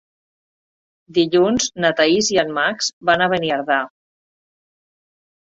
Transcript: Dilluns na Thaís i en Max van a Beniardà.